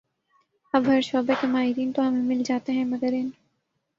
اب ہر شعبے کے ماہرین تو ہمیں مل جاتے ہیں مگر ان